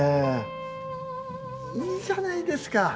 いいじゃないですか